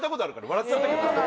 笑っちゃったけどね。